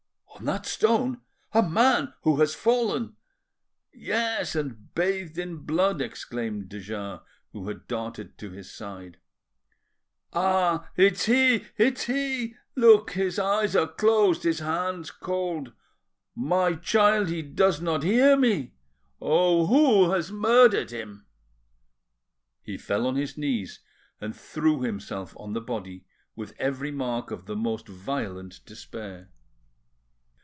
"On that stone? A man who has fallen!" "Yes, and bathed in blood," exclaimed de Jars, who had darted to his side. "Ah! it's he! it's he! Look, his eyes are closed, his hands cold! My child he does not hear me! Oh, who has murdered him?" He fell on his knees, and threw himself on the body with every mark of the most violent despair.